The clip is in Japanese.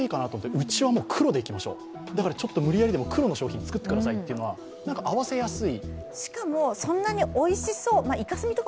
うちは黒でいきましょう、だからむりやりでも、黒の商品作ってくださいというのは合わせやすい。